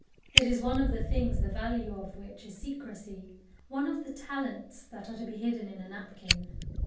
It is one of the things the value of which is secrecy, one of the talents that are to be hidden in a napkin.